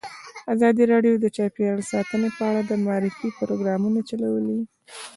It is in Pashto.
ازادي راډیو د چاپیریال ساتنه په اړه د معارفې پروګرامونه چلولي.